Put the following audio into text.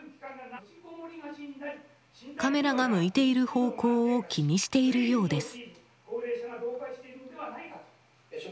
カメラが向いている方向を気にしているようです。